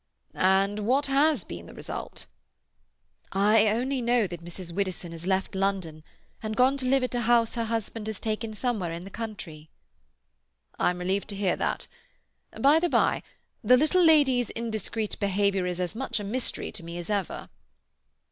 "And what has been the result?" "I only know that Mrs. Widdowson has left London and gone to live at a house her husband has taken somewhere in the country." "I'm relieved to hear that. By the bye, the little lady's "indiscreet behaviour" is as much a mystery to me as ever."